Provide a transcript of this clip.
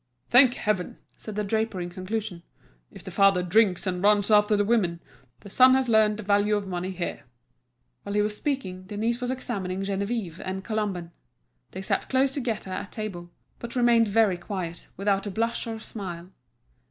"Thank heaven!" said the draper in conclusion, "if the father drinks and runs after the women, the son has learnt the value of money here." Whilst he was speaking Denise was examining Geneviève and Colomban. They sat close together at table, but remained very quiet, without a blush or a smile.